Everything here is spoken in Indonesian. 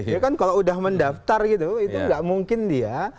ya kan kalau udah mendaftar gitu itu nggak mungkin dia